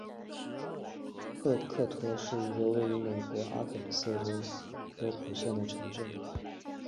赫克托是一个位于美国阿肯色州波普县的城镇。